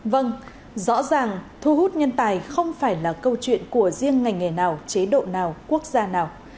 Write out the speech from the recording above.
vâng rõ ràng thu hút nhân tài không phải là câu chuyện của riêng ngành nghề nào chế độ nào quốc gia nào